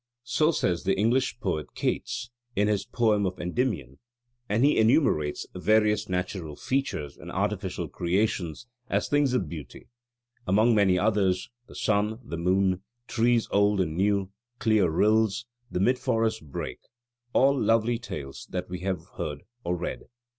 So says the English poet, Keats, in his poem of Endymion, and he enumerates various natural features and artificial creations as things of beauty; among many others, the sun, the moon, "trees old and new," clear rills, "the mid forest brake," "all lovely tales that we have heard or read."